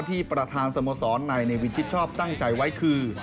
ที่ประธานสโมสรในเนวินชิดชอบตั้งใจไว้คือ